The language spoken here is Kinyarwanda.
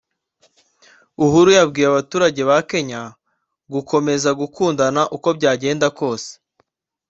Uhuru yabwiye abaturage ba Kenya gukomeza gukundana uko byagenda kose